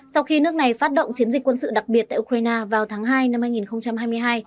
sau khi nước này phát động chiến dịch quân sự đặc biệt tại ukraine vào tháng hai năm hai nghìn hai mươi hai